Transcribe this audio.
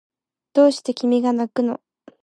どうして君がなくの